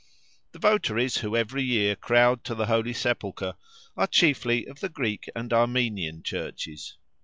The votaries who every year crowd to the Holy Sepulchre are chiefly of the Greek and Armenian Churches.